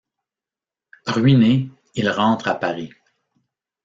Ruiné, il rentre à Paris.